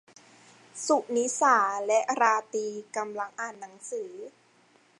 สุนิสาและราตรีกำลังอ่านหนังสือ